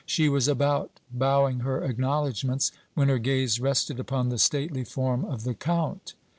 She was about bowing her acknowledgments, when her gaze rested upon the stately form of the Count.